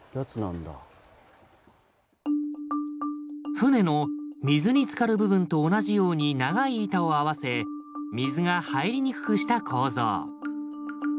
船の水につかる部分と同じように長い板を合わせ水が入りにくくした構造。